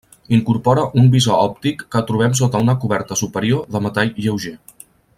Incorpora un visor òptic que trobem sota una coberta superior de metall lleuger.